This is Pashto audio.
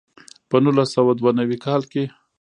په نولس سوه دوه نوي کال کې.